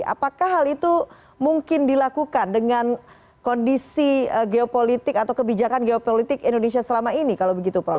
apakah hal itu mungkin dilakukan dengan kondisi geopolitik atau kebijakan geopolitik indonesia selama ini kalau begitu prof